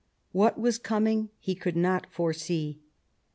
What was coming he could not foresee.